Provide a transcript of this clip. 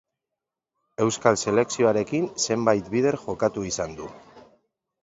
Euskal selekzioarekin zenbait bider jokatu izan du.